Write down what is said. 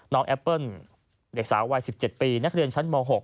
แอปเปิ้ลเด็กสาววัย๑๗ปีนักเรียนชั้นม๖